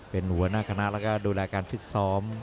เป็นหัวหน้าคณะแล้วก็ดูแลการฟิตซ้อม